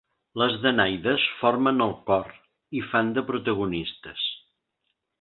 Les danaides formen el cor i fan de protagonistes.